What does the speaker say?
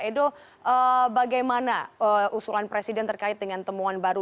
edo bagaimana usulan presiden terkait dengan temuan baru